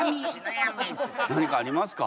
何かありますか？